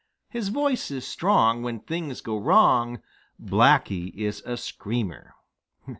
His voice is strong; When things go wrong Blacky is a screamer!